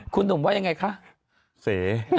คุณหนุ่มว่ายังไงคะเส